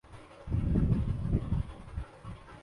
زمینی سطح اور نچلے کرۂ ہوائی کے گرمانے